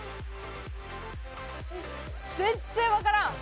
全然わからん！